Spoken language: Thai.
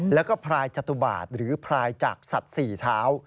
แล้วก็พรายจตุบาทหรือพรายจากสัตว์๔เท้า